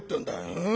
うん？